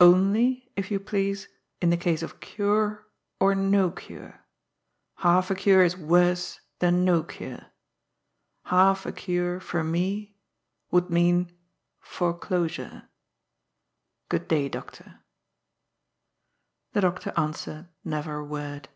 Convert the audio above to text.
Only, if you please, in the case of cure or no cure. Half a cure is worse than no cure. Half a cure, for me, would mean foreclosure. Oood day, doctor." The doctor answered never a word.